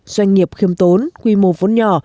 doanh nghiệp khiêm tốn quy mô vốn nhỏ